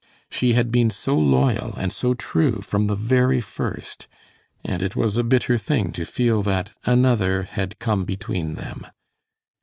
She had been so loyal and so true from the very first, and it was a bitter thing to feel that another had come between them.